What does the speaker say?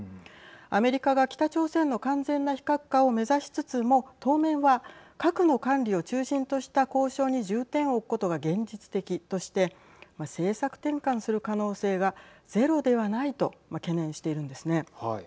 アメリカが北朝鮮の完全な非核化を目指しつつも当面は核の管理を中心とした交渉に重点を置くことが現実的として政策転換する可能性がゼロではないと懸念しているんですね。